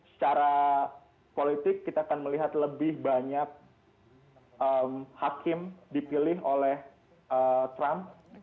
secara politik kita akan melihat lebih banyak hakim dipilih oleh trump